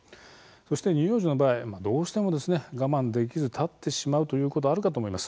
そして乳幼児の場合どうしても我慢できず立ってしまうこともあると思います。